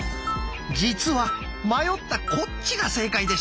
実は迷ったこっちが正解でした。